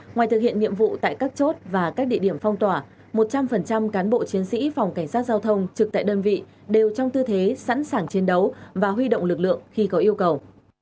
ngoài thực hiện nhiệm vụ tại các chốt và các địa điểm phong tỏa một trăm linh cán bộ chiến sĩ phòng cảnh sát giao thông trực tại đơn vị đều trong tư thế sẵn sàng chiến đấu và huy động lực lượng khi có yêu cầu